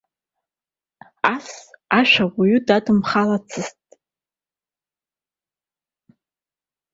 Ас ашә уаҩ дадымхалацызт.